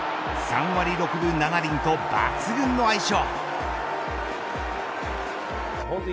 ３割６分７厘と抜群の相性。